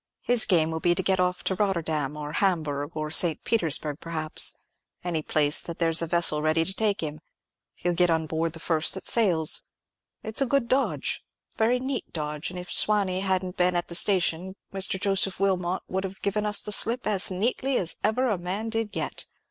"His game will be to get off to Rotterdam, or Hamburgh, or St. Petersburg, perhaps; any place that there's a vessel ready to take him. He'll get on board the first that sails. It's a good dodge, a very neat dodge, and if Sawney hadn't been at the station, Mr. Joseph Wilmot would have given us the slip as neatly as ever a man did yet.